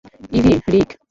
EV, Rick!